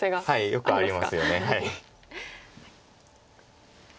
よくありますよね。